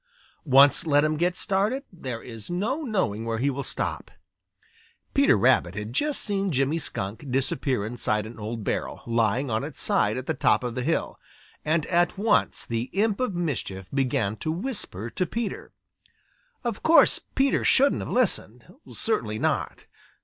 Once let him get started there is no knowing where he will stop. Peter Rabbit had just seen Jimmy Skunk disappear inside an old barrel, lying on its side at the top of the hill, and at once the Imp of Mischief began to whisper to Peter. Of course Peter shouldn't have listened. Certainly not.